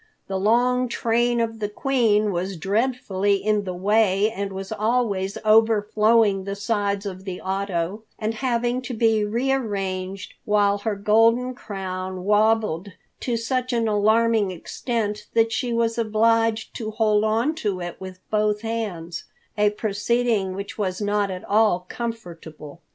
The long train of the Queen was dreadfully in the way, and was always overflowing the sides of the auto and having to be re arranged, while her golden crown wabbled to such an alarming extent that she was obliged to hold on to it with both hands, a proceeding which was not at all comfortable.